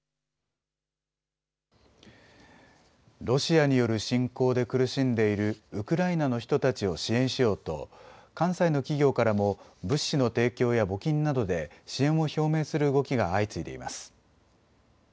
ロシアによる侵攻で苦しんでいるウクライナの人たちを支援しようと関西の企業からも物資の提供や募金などで支援を表明する動きが相次いでいます。